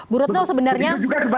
bu retno sebenarnya